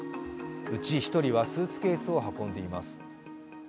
うち１人はスーツケースを運んでいます。